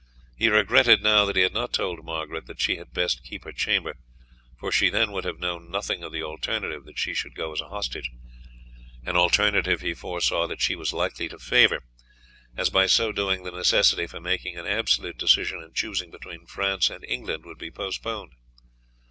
He regretted now that he had not told Margaret that she had best keep her chamber, for she then would have known nothing of the alternative that she should go as a hostage an alternative, he foresaw, that she was likely to favour, as by so doing the necessity for making an absolute decision and choosing between France and England would be postponed.